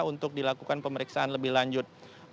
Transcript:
untuk dilakukan pemeriksaan lebih lanjut